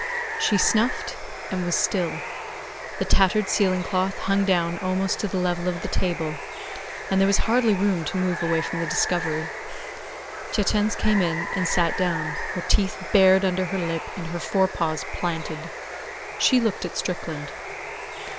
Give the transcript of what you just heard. She sniffed and was still. The tattered ceiling cloth hung down almost to the level of the table, and there was hardly room to move away from the discovery. Tietjens came in and sat down; her teeth bared under her lip and her forepaws planted. She looked at Strickland.